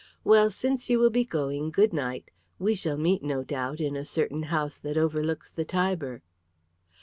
Well, since you will be going, good night. We shall meet, no doubt, in a certain house that overlooks the Tiber."